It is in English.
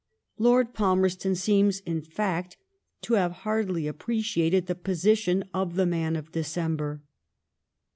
Lord Palmerston seems, in fact, to have hardly appreciated the position of the man of Decem ber.